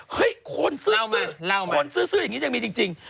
คนซื้อคนซื้ออย่างนี้ยังมีจริง